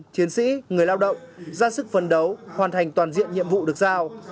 chiến sĩ người lao động ra sức phấn đấu hoàn thành toàn diện nhiệm vụ được giao